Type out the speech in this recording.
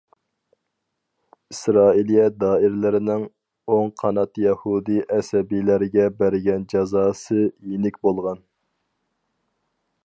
ئىسرائىلىيە دائىرىلىرىنىڭ ئوڭ قانات يەھۇدىي ئەسەبىيلەرگە بەرگەن جازاسى يېنىك بولغان.